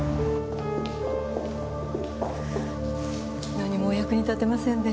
何もお役に立てませんで。